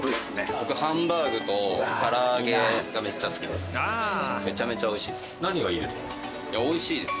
僕ハンバーグと唐揚げがめっちゃ好きです。